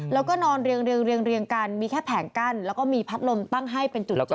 แล้วก็นอนเรียงกันมีแค่แผงกั้นแล้วก็มีพัดลมตั้งให้เป็นจุด